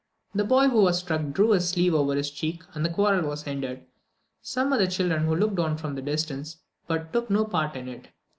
The boy who was struck drew his sleeve over his cheek, and the quarrel was ended. Some other children had looked on from the distance, but took no part in it.